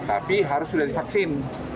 tapi harus sudah divaksin